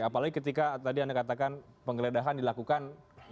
apalagi ketika tadi anda katakan penggeledahan dilakukan